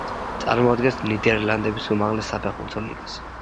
წარმოადგენს ნიდერლანდების უმაღლეს საფეხბურთო ლიგას.